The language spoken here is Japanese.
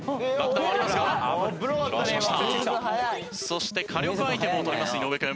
そして火力アイテムを取ります井上君。